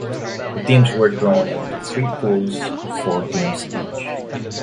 The teams were drawn into three pools of four teams each.